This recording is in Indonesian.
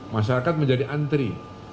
masyarakat menjadi antri